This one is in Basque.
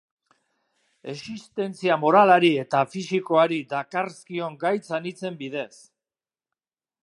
Existentzia moralari eta fisikoari dakarzkion gaitz anitzen bidez.